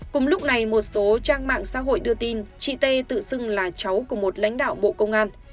cùng lúc này một số trang mạng xã hội đưa tin chị tê tự xưng là cháu của một lãnh đạo bộ công an